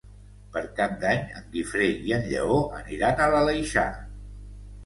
Per Cap d'Any en Guifré i en Lleó aniran a l'Aleixar.